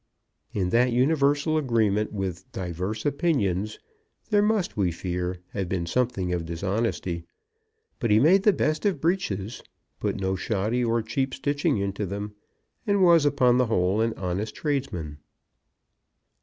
In that universal agreement with diverse opinions there must, we fear, have been something of dishonesty. But he made the best of breeches, put no shoddy or cheap stitching into them, and was, upon the whole, an honest tradesman.